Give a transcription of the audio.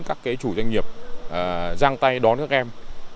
các chủ doanh nghiệp giang tay đón các em